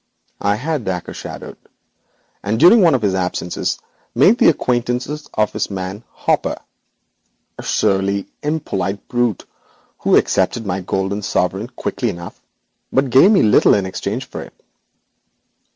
I caused Dacre to be shadowed, and during one of his absences made the acquaintance of his man Hopper, a surly, impolite brute, who accepted my golden sovereign quickly enough, but gave me little in exchange for it.